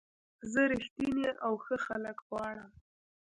زه رښتیني او ښه خلک غواړم.